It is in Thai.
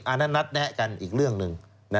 อันนั้นนัดแนะกันอีกเรื่องหนึ่ง